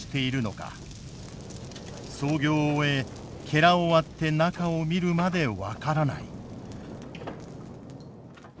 操業を終えを割って中を見るまで分からない。